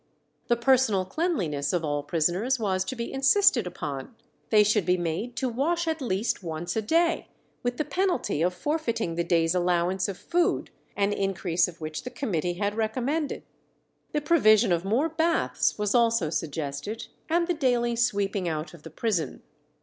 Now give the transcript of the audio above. The personal cleanliness of all prisoners was to be insisted upon; they should be made to wash at least once a day, with the penalty of forfeiting the day's allowance of food, an increase of which the committee had recommended. The provision of more baths was also suggested, and the daily sweeping out of the prison.